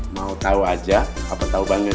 mau tau aja apa tau banget